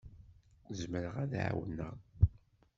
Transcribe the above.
Zemreɣ ad d-ɛawneɣ.